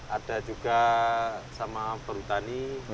ada juga sama perhutani